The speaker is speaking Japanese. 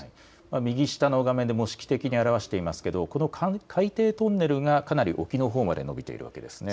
右下の画面で模式的に表していますが海底トンネルがかなり沖の方まで伸びているわけですね。